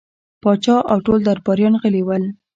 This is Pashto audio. پاچا او ټول درباريان غلي ول.